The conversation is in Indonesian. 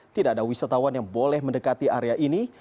tidak ada wisatawan yang boleh mendekati area ini